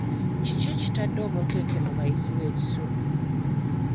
Kiki ekitadde obunkenke mu bayizi b'ekisulo.